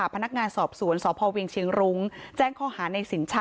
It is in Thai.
พนักงานสอบสวนสพเวียงเชียงรุ้งแจ้งข้อหาในสินชะ